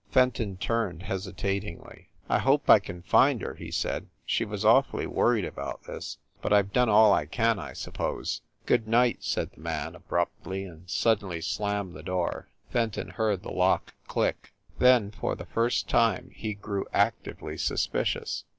Fenton turned hesitatingly. "I hope I can find her," he said. "She was awfully worried about this but I ve done all I can, I suppose." 262 FIND THE WOMAN "Good night!" said the man abruptly, and sud denly slammed the door. Fenton heard the lock dick. Then, for the first time, he grew actively sus picious.